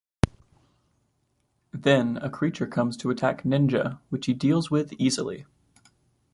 Then, a creature comes to attack Ninja which he deals with easily.